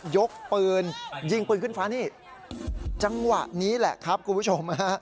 ยกปืนยิงปืนขึ้นฟ้านี่จังหวะนี้แหละครับคุณผู้ชมฮะ